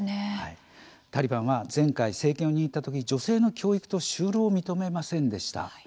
タリバンは前回政権を握ったとき女性の教育と就労を認めませんでした。